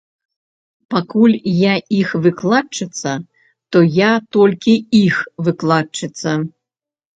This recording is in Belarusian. Пакуль я іх выкладчыца, то я толькі іх выкладчыца.